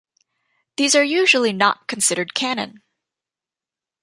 These are usually not considered canon.